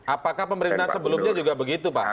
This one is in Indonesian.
apakah pemerintahan sebelumnya juga begitu pak